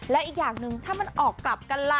แล้วอีกอย่างหนึ่งถ้ามันออกกลับกันล่ะ